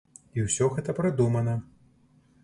І ўсё гэта прыдумана.